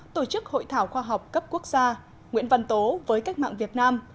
tổ chức hội thảo khoa học cấp quốc gia nguyễn văn tố với cách mạng việt nam